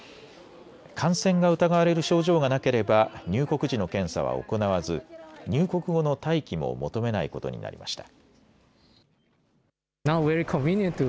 感染が疑われる症状がなければ入国時の検査は行わず入国後の待機も求めないことになりました。